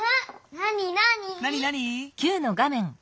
なになに？